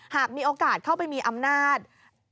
หากมีโอกาสเข้าไปมีอำนาจ